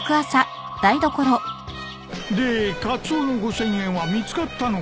でカツオの５，０００円は見つかったのか？